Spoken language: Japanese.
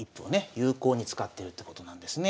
有効に使ってるってことなんですね。